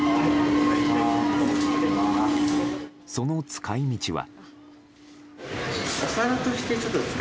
その使い道は。